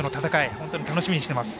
本当に楽しみにしています。